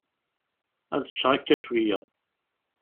Ad ččeɣ akka cwiya.